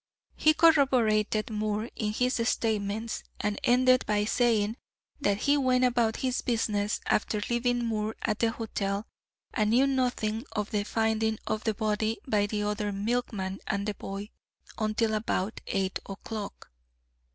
He corroborated Moore in his statements, and ended by saying that he went about his business after leaving Moore at the hotel, and knew nothing of the finding of the body by the other milkman and the boy, until about eight o'clock.